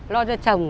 lo cho chồng